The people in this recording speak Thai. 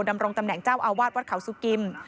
ดำรงตำแหน่งเจ้าอาวาสวัดเขาสุกิม